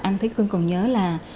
anh thế cương còn nhớ là